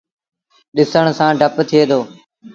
ڏسڻ سآݩ ڊپ ٿئي دو۔